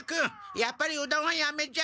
やっぱりうどんはやめじゃ。